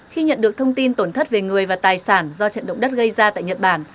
khi nhận được thông tin tổn thất về người và tài sản do trận động đất gây ra tại nhật bản